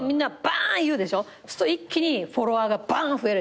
すると一気にフォロワーがばん増えるでしょ。